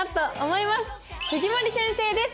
藤森先生です